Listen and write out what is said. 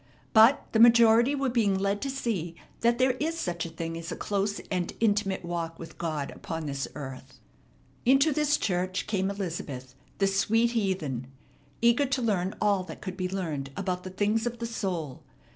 But the majority were being led to see that there is such a thing as a close and intimate walk with God upon this earth. Into this church came Elizabeth, the sweet heathen, eager to learn all that could be learned about the things of the soul.